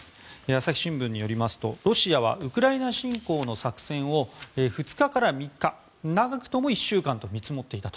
朝日新聞によりますとロシアはウクライナ侵攻の作戦を２日から３日、長くとも１週間と見積もっていたと。